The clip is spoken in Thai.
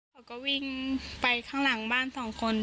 เขาก็วิ่งไปข้างหลังบ้านสองคน